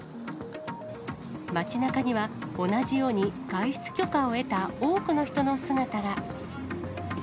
街なかには、同じように外出許可を得た多くの人の姿が。